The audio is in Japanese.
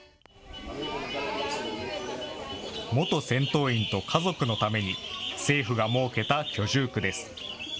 元戦闘員と家族のために政府が設けた居住区です。